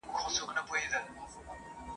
لا په منځ كي به زگېروى كله شپېلكى سو !.